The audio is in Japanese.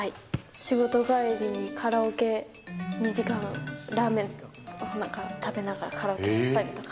仕事帰りにカラオケ２時間、ラーメン食べながら、カラオケしたりとか。